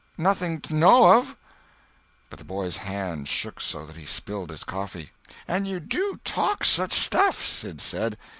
Nothing 't I know of." But the boy's hand shook so that he spilled his coffee. "And you do talk such stuff," Sid said.